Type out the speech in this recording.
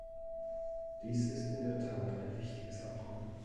Dies ist in der Tat ein wichtiges Abkommen.